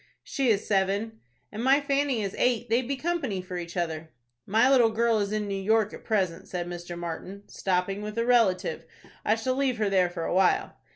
"She is seven." "And my Fanny is eight. They'd be company for each other." "My little girl is in New York, at present," said Mr. Martin, "stopping with—with a relative. I shall leave her there for a while."